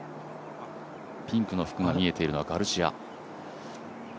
ピンクの服が見えているのはガルシア。